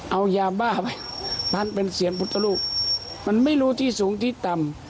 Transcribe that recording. เอายาบ้าไปมันเป็นเสียงพุทธรูปมันไม่รู้ที่สูงที่ต่ำ